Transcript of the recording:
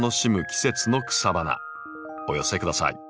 お寄せ下さい。